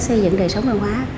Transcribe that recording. xây dựng đời sống văn hóa